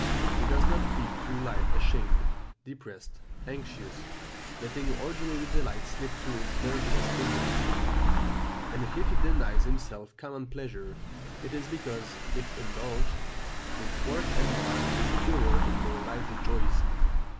He does not creep through life ashamed, depressed, anxious, letting ordinary delights slip through his nerveless fingers; and if he denies himself common pleasures, it is because, if indulged, they thwart and mar his purer and more lively joys.